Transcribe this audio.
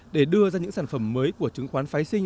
để đưa ra những sản phẩm mới của chứng khoán phái sinh